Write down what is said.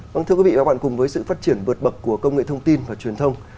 vâng thưa quý vị và các bạn cùng với sự phát triển vượt bậc của công nghệ thông tin và truyền thông